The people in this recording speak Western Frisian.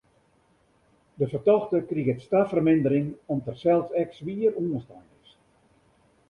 De fertochte kriget straffermindering om't er sels ek swier oanslein is.